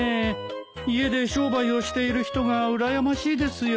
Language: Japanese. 家で商売をしている人がうらやましいですよ。